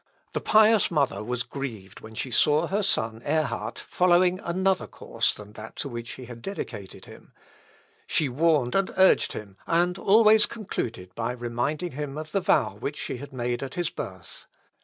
The pious mother was grieved when she saw her son Ehrhard following another course than that to which she had dedicated him; she warned and urged him, and always concluded by reminding him of the vow which she had made at his birth.